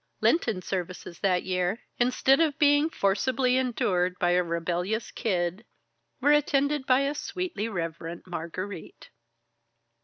Lenten services that year, instead of being forcibly endured by a rebellious Kid, were attended by a sweetly reverent Margarite.